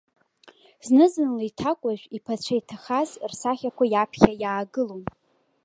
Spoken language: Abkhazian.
Зны-зынла иҭакәажә, иԥацәа иҭахаз рсахьақәа иаԥхьа иаагылон.